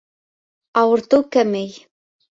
Ауыртыу кәмей